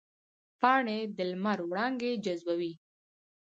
پاڼې د لمر وړانګې جذبوي